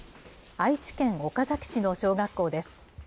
愛知県岡崎市の小学校です。